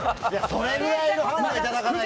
それぐらいのハンデいただかないと。